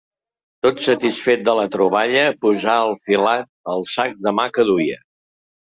Tot satisfet de la troballa, posà al filat el sac de mà que duia.